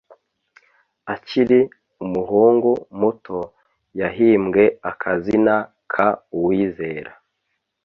Akiri umuhungu muto yahimbwe akazina ka "uwizera"